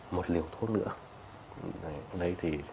một liều thuốc nữa